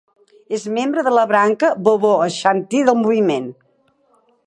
És membre de la branca Bobo Ashanti del moviment.